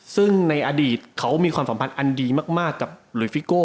ซึ่งในอดีตเขามีความสัมพันธ์อันดีมากกับหลุยฟิโก้